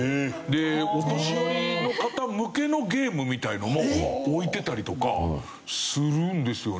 でお年寄りの方向けのゲームみたいのも置いてたりとかするんですよね。